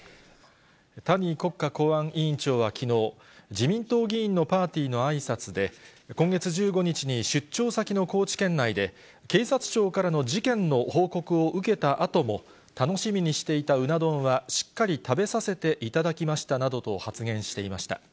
谷国家公安委員長はきのう、自民党議員のパーティーのあいさつで、今月１５日に出張先の高知県内で、警察庁からの事件の報告を受けたあとも、楽しみにしていたうな丼はしっかり食べさせていただきましたなどと発言していました。